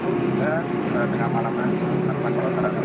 atau pun kota jeddah untuk bulan segaranya masing masing tergantung